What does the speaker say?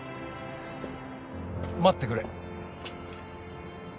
待ってくれ。